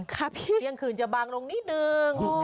ครับพี่เที่ยงคืนจะบางลงนิดหนึ่ง